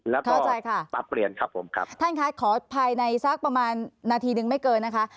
แล้วก็ปรับเปลี่ยนครับผมครับท่านคะขอภายในสักประมาณนาทีหนึ่งไม่เกินนะคะ